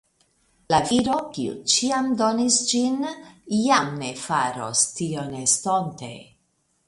La viro, kiu ĉiam donis ĝin, jam ne faros tion estonte.